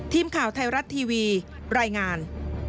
ทีมข่าวไทยรัฐทีวีรายงาน